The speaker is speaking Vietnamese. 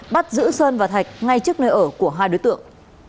bắt giữ sơn và thạch ngay trước nơi ở của hai đối tượng